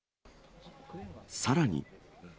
さらに。